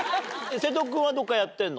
瀬戸君はどっかやってんの？